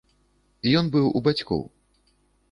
Ён быў у бацькоў.